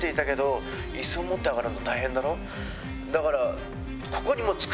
だから。